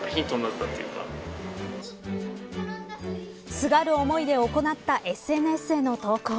すがる思いで行ったＳＮＳへの投稿。